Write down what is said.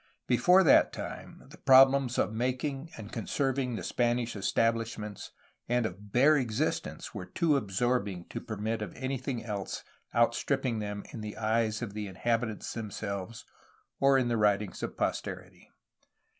Before that time the problems of mak ing and conserving the Spanish establishments and of bare existence were too absorbing to permit of anything else out stripping them in the eyes of the inhabitants themselves or in the writings of posterity.